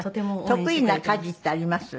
得意な家事ってあります？